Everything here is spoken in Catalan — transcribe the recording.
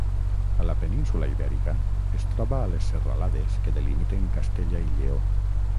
A la península Ibèrica es troba a les serralades que delimiten Castella i Lleó.